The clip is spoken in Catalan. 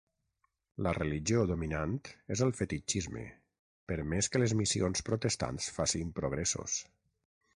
La religió dominant és el fetitxisme, per més que les missions protestants facin progressos.